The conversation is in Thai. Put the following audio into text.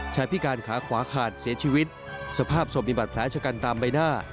พิการขาขวาขาดเสียชีวิตสภาพศพมีบาดแผลชะกันตามใบหน้า